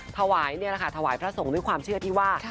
ถวายนี่แหละค่ะถวายพระสงฆ์ด้วยความเชื่อที่ว่า